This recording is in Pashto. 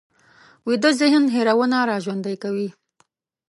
ویده ذهن هېرونه راژوندي کوي